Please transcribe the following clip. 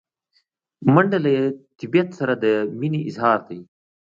منډه له طبیعت سره د مینې اظهار دی